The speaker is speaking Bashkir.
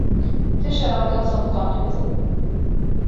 Теш арандан сыҡҡан һүҙ